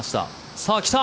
さあ来た！